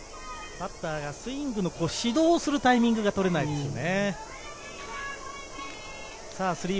バッターがスイングの始動するタイミングが取れないですよね。